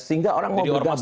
sehingga orang mau bergabung